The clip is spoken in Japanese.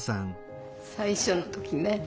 最初の時ね